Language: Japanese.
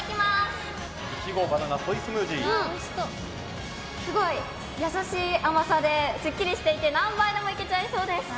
いちごバナナすごい、優しい甘さですっきりしていて何杯でもいけちゃいそうです！